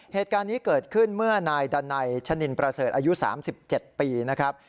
เหตุการณ์นี้เกิดขึ้นเมื่อนายดันไนชะนินประเสริฐอายุ๓๗ปีนะครับ